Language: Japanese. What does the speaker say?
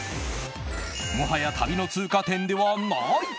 もはや旅の通過点ではない。